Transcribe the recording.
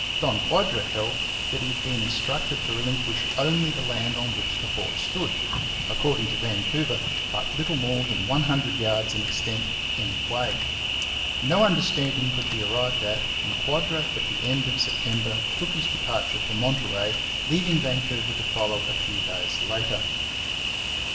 Don Quadra held that he had been instructed to relinquish only the land on which the fort stood according to Vancouver, 'but little more than one hundred yards in extent any way.' No understanding could be arrived at, and Quadra at the end of September took his departure for Monterey, leaving Vancouver to follow a few days later.